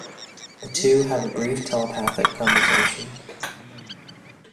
The two have a brief telepathic conversation.